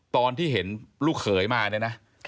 ตอนที่เห็นลูกเขยมาเนี่ยนะ